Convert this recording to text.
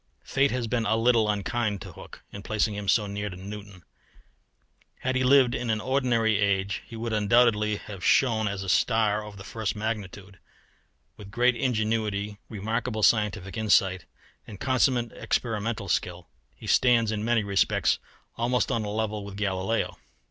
Fate has been a little unkind to Hooke in placing him so near to Newton; had he lived in an ordinary age he would undoubtedly have shone as a star of the first magnitude. With great ingenuity, remarkable scientific insight, and consummate experimental skill, he stands in many respects almost on a level with Galileo.